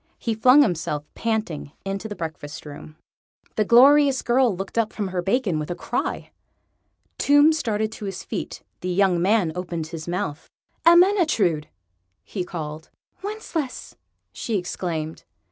He flung himself, panting, into the breakfast room. The glorious girl looked up from her bacon with a cry. Tomb started to his feet. The young man opened his mouth. "Ermyntrude!" he called. "Wencheslaus!" she exclaimed.